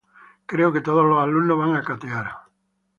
Creo que todos los alumnos van a catear.